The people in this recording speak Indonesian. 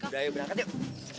udah ayo berangkat yuk